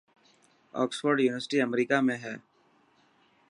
اوڪسفرڊ يونيورسٽي امريڪا ۾ هي.